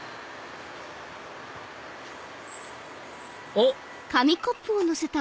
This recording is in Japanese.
おっ！